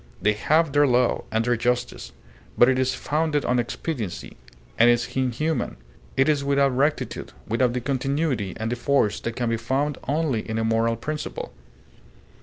They have their law, and their justice. But it is founded on expediency, and is inhuman; it is without rectitude, without the continuity and the force that can be found only in a moral principle.